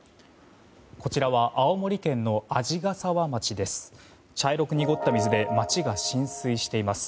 こちらは青森県の鰺ヶ沢町です。